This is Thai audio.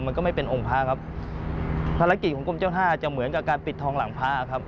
มันก็ไม่เป็นองค์พระครับภารกิจของกรมเจ้าท่าจะเหมือนกับการปิดทองหลังพระครับ